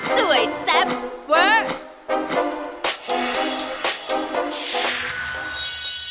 สุดสวยแซ่บเว้อ